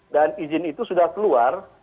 dan izin itu sudah keluar